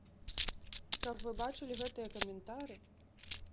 Каб вы бачылі гэтыя каментары!